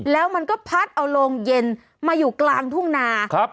แล้วมันก็พัดเอาโรงเย็นมาอยู่กลางทุ่งนา